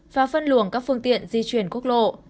và phân luồng các phương tiện di chuyển quốc lộ